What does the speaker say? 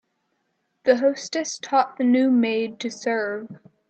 The hostess taught the new maid to serve.